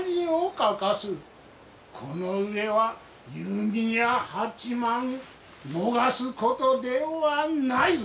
この上は弓矢八幡逃すことではないぞ。